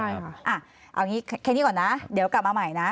ใช่ค่ะเอาอย่างนี้แค่นี้ก่อนนะเดี๋ยวกลับมาใหม่นะ